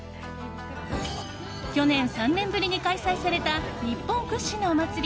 去年、３年ぶりに開催された日本屈指のお祭り